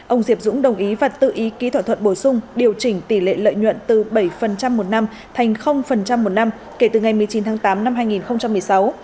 ông diệp dũng đồng ý và tự ý ký thỏa thuận bổ sung điều chỉnh tỷ lệ lợi nhuận từ bảy một năm thành một năm kể từ ngày một mươi chín tháng tám năm hai nghìn một mươi sáu